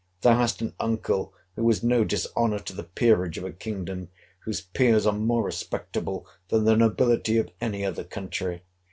Thou hast an uncle, who is no dishonour to the Peerage of a kingdom, whose peers are more respectable than the nobility of any other country.